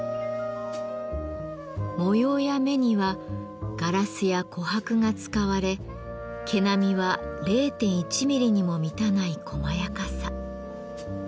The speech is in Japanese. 模様や目にはガラスや琥珀が使われ毛並みは０．１ミリにも満たないこまやかさ。